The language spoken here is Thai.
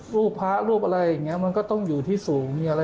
รูปพระรูปอะไรอย่างนี้มันก็ต้องอยู่ที่สูงมีอะไร